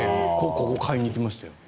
ここに買いに行きましたよ。